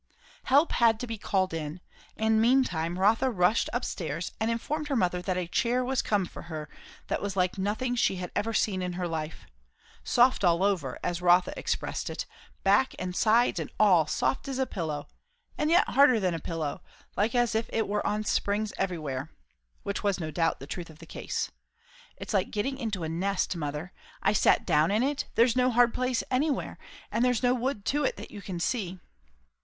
Help had to be called in; and meantime Rotha rushed up stairs and informed her mother that a chair was come for her that was like nothing she had ever seen in her life; "soft all over," as Rotha expressed it; "back and sides and all soft as a pillow, and yet harder than a pillow; like as if it were on springs everywhere;" which was no doubt the truth of the case. "It's like getting into a nest, mother; I sat down in it; there's no hard place anywhere; there's no wood to it, that you can see."